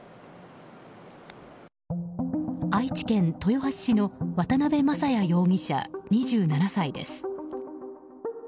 愛知県豊橋市の渡辺雅也容疑者、２７歳です。